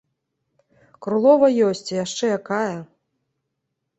Крулова ёсць, і яшчэ якая!